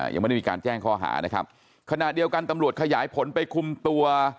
ยังไม่ได้มีการแจ้งข้อหานะครับขณะเดียวกันตำรวจขยายผลไปคุมตัว